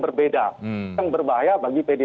berbeda yang berbahaya bagi pdi